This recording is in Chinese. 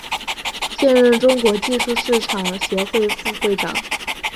现任中国技术市场协会副会长。